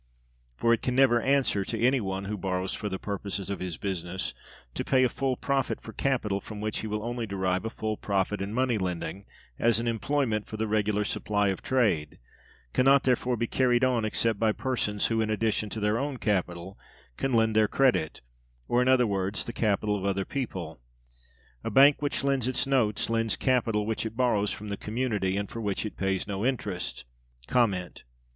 [For] it can never answer, to any one who borrows for the purposes of his business, to pay a full profit for capital from which he will only derive a full profit: and money lending, as an employment, for the regular supply of trade, can not, therefore, be carried on except by persons who, in addition to their own capital, can lend their credit, or, in other words, the capital of other people. A bank which lends its notes lends capital which it borrows from the community, and for which it pays no interest.